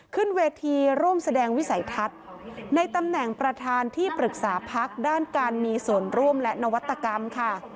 ขึ้นเวทีร่วมแสดงวิสัยทัศน์ในตำแหน่งประธานที่ปรึกษาพักด้านการมีส่วนร่วมและนวัตกรรมค่ะ